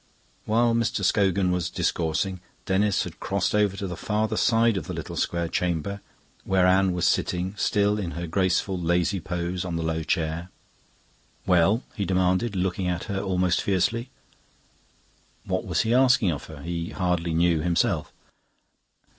While Mr. Scogan was discoursing, Denis had crossed over to the farther side of the little square chamber, where Anne was sitting, still in her graceful, lazy pose, on the low chair. "Well?" he demanded, looking at her almost fiercely. What was he asking of her? He hardly knew himself.